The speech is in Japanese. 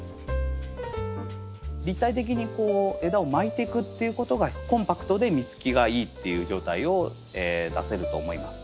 立体的にこう枝を巻いてくっていうことがコンパクトで実つきがいいっていう状態を出せると思います。